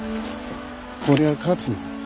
こりゃ勝つな。